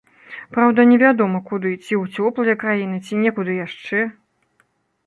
Праўда, не вядома, куды, ці ў цёплыя краіны, ці некуды яшчэ.